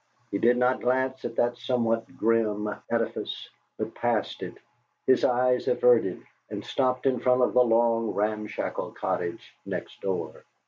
He did not glance at that somewhat grim edifice, but passed it, his eyes averted, and stopped in front of the long, ramshackle cottage next door.